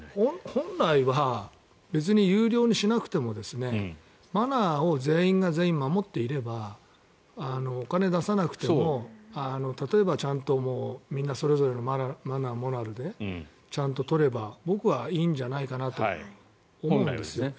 本来は別に有料にしなくてもマナーを全員が守っていればお金を出さなくても例えばちゃんとみんなそれぞれのマナー、モラルでちゃんと撮れば僕はいいんじゃないかなと思うんです。